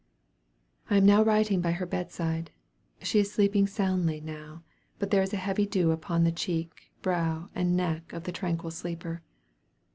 "I am now writing by her bed side. She is sleeping soundly now, but there is a heavy dew upon the cheek, brow, and neck of the tranquil sleeper.